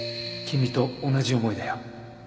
君と同じ思いだよ。